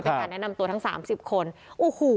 เป็นการแนะนำตัวทั้งสามสิบคนโอ้โห